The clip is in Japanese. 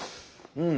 うん。